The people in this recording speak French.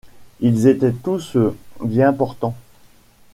Ils étaient tous bien portants.